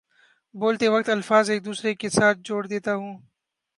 بولتے وقت الفاظ ایک دوسرے کے ساتھ جوڑ دیتا ہوں